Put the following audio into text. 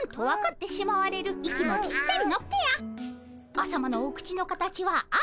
あさまのお口の形は「あ」。